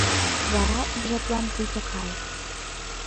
Вара ик жаплан пуйто кайык